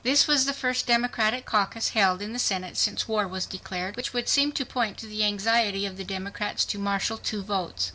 This was the first Democratic caucus held in the Senate since war was declared, which would seem to point to the anxiety of the Democrats to marshal two votes.